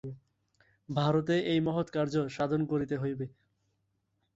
ভারতে এই মহৎকার্য সাধন করিতে হইবে।